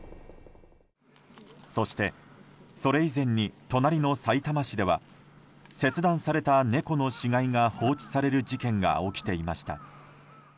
そして、それ以前に隣のさいたま市では切断された猫の死骸が放置される事件が起きていました。